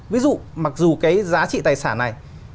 ví dụ mặc dù cái giá trị tài sản này